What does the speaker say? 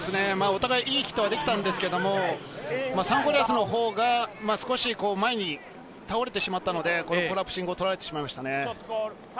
お互いよかったんですけど、サンゴリアスのほうが少し前に壊れて、倒れてしまったので、コラプシングを取られてしまいましたね。